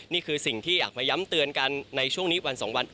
นี่คือสิ่งที่อยากมาย้ำเตือนกันในช่วงนี้วัน๒วัน